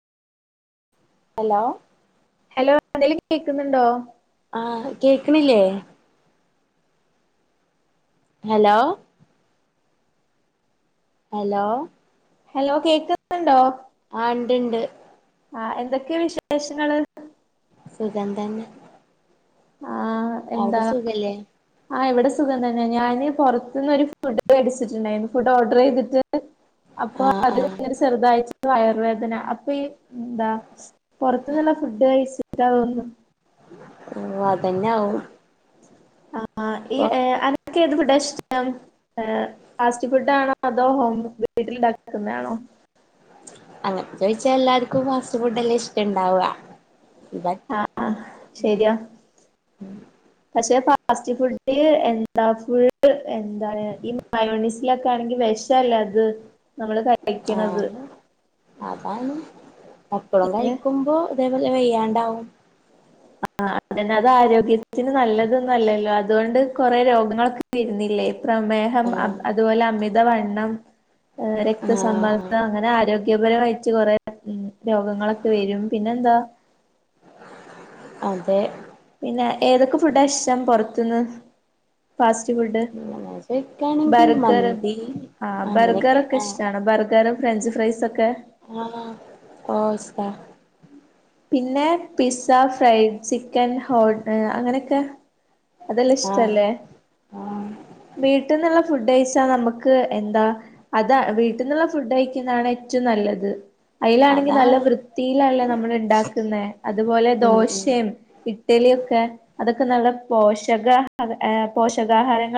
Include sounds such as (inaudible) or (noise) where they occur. Hello hello എന്തേലും കേക്കുന്നുണ്ടോ? ആഹ് കേക്കണില്ലേ ഹലോ ഹലോ ഹലോ കേക്കുന്നുണ്ടോ ആ ഉണ്ട്ണ്ട് ആ എന്തൊക്കെ വിശേഷങ്ങള് സുഖം തന്നെ. ആ എന്താ അവ്ടെ സുഖല്ലേ? ആ ഇവിടെ സുഖം തന്നെ. ഞാന് പൊറത്തുന്നൊരു ഫുഡ് മേടിച്ചിട്ടുണ്ടായിരുന്നു. ഫുഡ് ഓർഡറെയ്തിട്ട്. അപ്പൊ ആ ആ അത് ഒരു ചെറുതായിച്ച വയറുവേദന അപ്പൊയീ എന്താ പൊറത്ത്ന്നുള്ള ഫുഡ് കഴിച്ചിട്ടാ തോന്നുന്നു. ഓ അതെന്നാവും. ആ ഈ ഏ അൻ ക്കെത് ഫുഡാ ഇഷ്ടം? ഫാസ്റ്റ് ഫുഡാണോ അതോ ഹോം വീട്ടിലുണ്ടാക്കുന്നയാണോ? അങ്ങനെ ചോയിച്ചാ എല്ലാര്ക്കും ഫാസ്റ്റ് ഫുഡ്ഡല്ലെ ഇഷ്ടണ്ടാവ. ആ ആ ശെരിയാ. പക്ഷേ പാ ഫാസ്റ്റ് ഫുഡ് എന്താ ഫുൾ എന്താ ഈ മയോണൈസിലൊക്കെയാണെങ്കി വെഷല്ലെ? അത് നമ്മള് ആ കഴിക്കണെത്. അതാണ് എപ്പളും കയിക്കുമ്പോ ഇതേപോലെ വെയ്യാണ്ടാവും. ആഹ്.. അതെന്ന അതാരോഗ്യത്തിന് നല്ലതൊന്നല്ലല്ലോ. അതോണ്ട് കൊറെ രോഗങ്ങളൊക്കെ വരുന്നില്ലേ? പ്രമേഹം ആ അബ് അതുപോലെ അമിതവണ്ണം ഏ ആ രക്തസമ്മർദ്ദം അങ്ങനെ ആരോഗ്യ (unintelligible) കൊറെ ഉം രോഗങ്ങളൊക്കെ വരും. പിന്നെന്താ. അതെ. പിന്നെ ഏതൊക്കെ ഫുഡ്ഡാ ഇഷ്ടം പൊറത്ത്ന്ന്? Fast food. അങ്ങനെ ചോദിക്കാണെങ്കിൽ ബർഗറ് മന്തി ആഹ് അങ്ങനെയൊക്കെ ബർഗറൊക്കെ ഇഷ്ടാണോ. ബർഗറും, ഫ്രഞ്ച് ഫ്രൈസൊ ആഹ് (unintelligible) പിന്നെ. പിസ്സ, ഫ്രൈഡ് ചിക്കൻ, ഹോട്ട്, അങ്ങനൊക്കെ. അതെല്ലാം ആ ഇഷ്ടല്ലേ. ആ വീട്ടിൽന്നുള്ള ഫുഡെയ് നമുക്ക് എന്താ. അതാ വീട്ടീന്നുള്ള ഫുഡ് കയിക്കുന്നാണ് ഏറ്റോം നല്ലത്. അയിലാണെങ്കി നല്ല അതാണ് വൃത്തിയിലല്ലെ നമ്മൾ ൺ ണ്ടാക്കുന്നെ. അതുപോലെ ഉം ഉം ദോശേം ഇഡ്‌ഡലിയൊക്കെ അതൊ ഒക്ക നല്ല പോഷക പോഷകാഹാരങ്ങൾ